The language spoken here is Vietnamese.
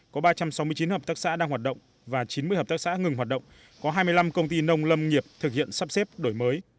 có ba trăm sáu mươi chín hợp tác xã đang hoạt động và chín mươi hợp tác xã ngừng hoạt động có hai mươi năm công ty nông lâm nghiệp thực hiện sắp xếp đổi mới